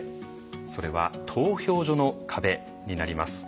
それは投票所の壁になります。